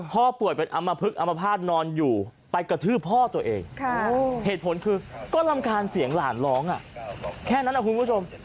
ป่วยเป็นอำมพลึกอมภาษณ์นอนอยู่ไปกระทืบพ่อตัวเองเหตุผลคือก็รำคาญเสียงหลานร้องแค่นั้นนะคุณผู้ชม